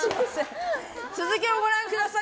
続きをご覧ください。